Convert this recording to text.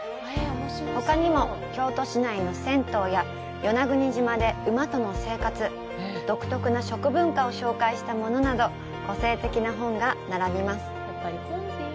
ほかにも、京都市内の銭湯や与那国島で馬との生活独特な食文化を紹介したものなど個性的な本が並びます。